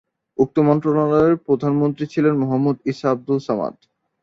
উক্ত মন্ত্রণালয়ের প্রথম মন্ত্রী ছিলেন "মোহাম্মদ ঈসা আবদুল সামাদ"।